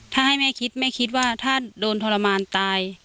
ถ้าให้แม่คิดแม่คิดว่าถ้าโดนทรมานตาย